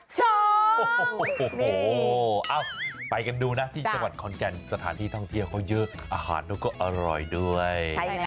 โอ้โหไปกันดูนะที่จังหวัดขอนแก่นสถานที่ท่องเที่ยวเขาเยอะอาหารเขาก็อร่อยด้วย